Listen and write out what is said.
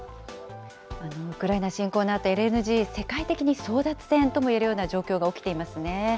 ウクライナ侵攻のあと、ＬＮＧ、世界的に争奪戦ともいえるような状況が起きていますね。